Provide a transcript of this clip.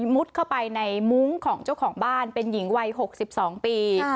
เข้าไปในมุ้งของเจ้าของบ้านเป็นหญิงวัย๖๒ปี